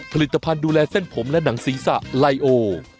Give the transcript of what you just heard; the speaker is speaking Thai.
ผลิตภัณฑ์ดูแลเส้นผมและหนังศีรษะไลโอ